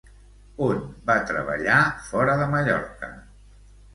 On va treballar fora de Mallorca?